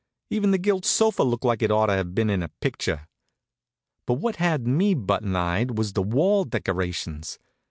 Even the gilt sofa looked like it ought to have been in a picture. But what had me button eyed was the wall decorations.